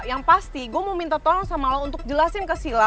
yang pasti gue mau minta tolong sama lo untuk jelasin ke sila